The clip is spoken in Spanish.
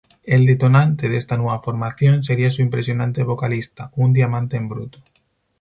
El detonante de esta nueva formación sería su impresionante vocalista, un diamante en bruto...